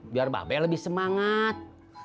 biar babel lebih semangat